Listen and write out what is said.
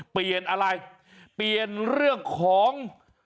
เปลี่ยนอะไรเปลี่ยนเรื่องของ